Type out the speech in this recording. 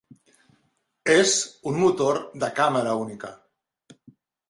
És un motor de càmera única.